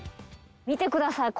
見てください